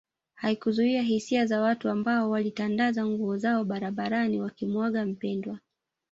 Haikuzuia hisia za watu ambao walitandaza nguo zao barabarani wakimuaga mpendwa